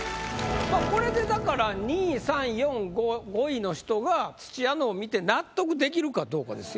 これでだから２３４５位の人が土屋のを見て納得できるかどうかですよね。